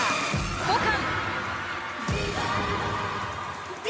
交換。